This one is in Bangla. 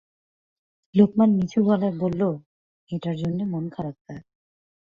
লোকমান নিচু গলায় বলল, মেয়েটার জন্যে মন খারাপ স্যার।